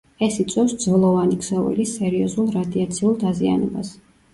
ეს იწვევს ძვლოვანი ქსოვილის სერიოზულ რადიაციულ დაზიანებას.